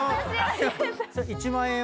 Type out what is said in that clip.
１万円は。